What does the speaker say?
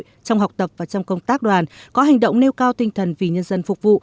trong học tập và trong công tác đoàn có hành động nêu cao tinh thần vì nhân dân phục vụ